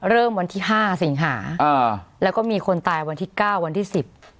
วันที่ห้าสิงหาอ่าแล้วก็มีคนตายวันที่เก้าวันที่สิบ